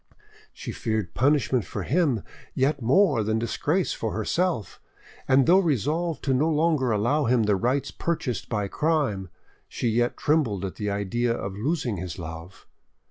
She feared punishment for him yet more than disgrace for herself, and though resolved to no longer allow him the rights purchased by crime, she yet trembled at the idea of losing his love.